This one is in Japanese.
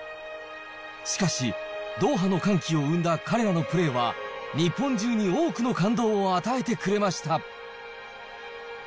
しかし、ドーハの歓喜を生んだ彼らのプレーは、日本中に多くの感動を与えてくれました。